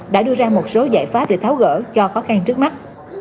đã đưa ra một số giải pháp để tháo gỡ cho khó khăn trước mắt